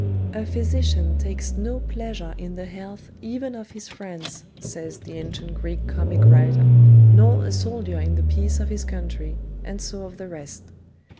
A physician takes no pleasure in the health even of his friends, says the ancient Greek comic writer, nor a soldier in the peace of his country, and so of the rest.